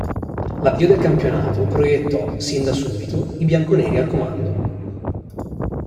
L'avvio del campionato proiettò, sin da subito, i bianconeri al comando.